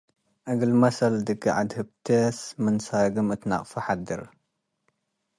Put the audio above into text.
እግል መሰል፡ ድጌ ዐድ ህብቴስ ምን ሳግም እት ነቅፈ ሐድር ።